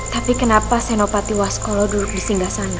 tapi kenapa senopati waskolo duduk di singgah sana